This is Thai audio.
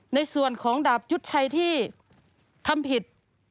ในส่วนของดาบยุทธชัยที่ทำผิด